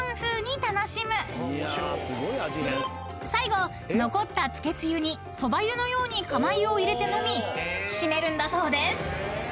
［最後残ったつけつゆにそば湯のように釜湯を入れて飲み締めるんだそうです］